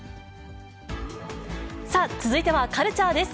さあ、続いてはカルチャーです。